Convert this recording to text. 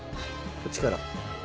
こっちから。